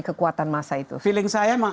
kekuatan masa itu feeling saya